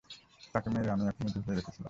তাকে মেরে আমি ঝুলিয়ে রেখেছিলাম।